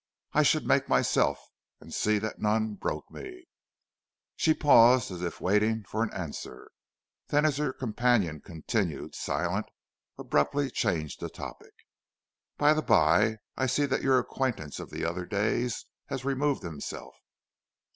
I should make myself and see that none broke me." She paused as if waiting for an answer, then as her companion continued silent, abruptly changed the topic. "By the by, I see that your acquaintance of other days has removed himself!"